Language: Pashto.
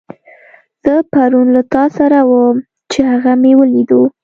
زه پرون له تاسره وم، چې هغه مې وليدو.